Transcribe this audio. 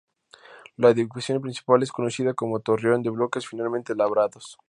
La edificación principal es conocida como "Torreón", de bloques finamente labrados.